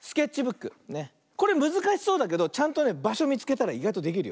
これむずかしそうだけどちゃんとねばしょみつけたらいがいとできるよ。